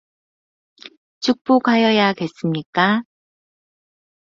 축복하여야겠습니까?